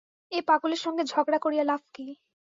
এ পাগলের সঙ্গে ঝগড়া করিয়া লাভ কী?